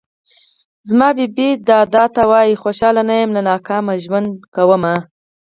زما بې بې دادا ته وايه خوشحاله نه يم له ناکامه ژوند کومه